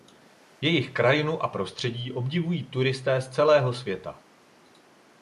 Jejich krajinu a prostředí obdivují turisté z celého světa.